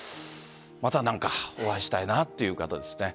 また何かお会いしたいなという方ですね。